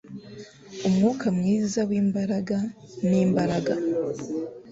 Umwuka mwiza wimbaraga nimbaraga